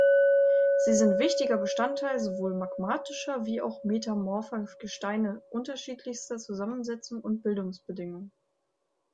Sie sind wichtiger Bestandteil sowohl magmatischer wie auch metamorpher Gesteine unterschiedlichster Zusammensetzung und Bildungsbedingungen.